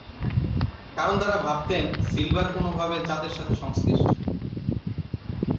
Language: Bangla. কারণ তারা ভাবতেন সিলভার কোনভাবে চাঁদের সাথে সংশ্লিষ্ট।